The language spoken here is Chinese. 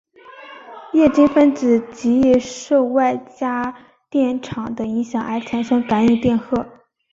液晶分子极易受外加电场的影响而产生感应电荷。